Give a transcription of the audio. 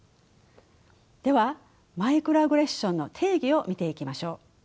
ではマイクロアグレッションの定義を見ていきましょう。